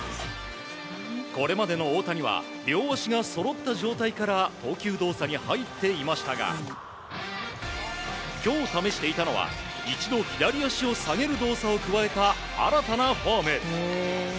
これまでの大谷は両足がそろった状態から投球動作に入っていましたが今日、試していたのは一度、左足を下げる動作を加えた新たなフォーム。